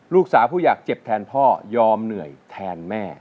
ลูกสาวผู้อยากเจ็บแทนพ่อยอมเหนื่อยแทนแม่